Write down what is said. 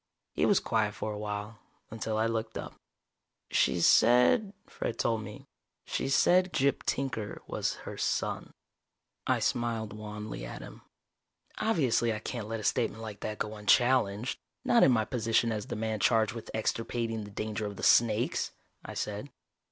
He was quiet for a while, until I looked up. "She said," Fred told me, "she said Gyp Tinker was her son." I smiled wanly at him. "Obviously I can't let a statement like that go unchallenged, not in my position as the man charged with extirpating the danger of the snakes," I said.